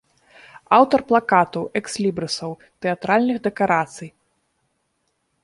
Аўтар плакатаў, экслібрысаў, тэатральных дэкарацый.